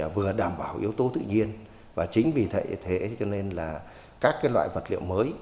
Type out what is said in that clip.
vừa đảm bảo yếu tố tự nhiên và chính vì thế cho nên là các loại vật liệu mới